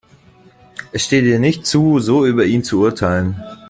Es steht ihr nicht zu, so über ihn zu urteilen.